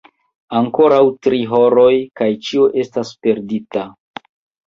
Ankoraŭ tri horoj kaj ĉio estas perdita!